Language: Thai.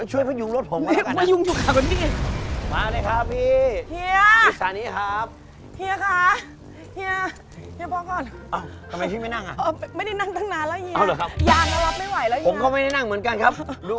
ช่วยพ่อกุญลบออกกันได้ไหมครับ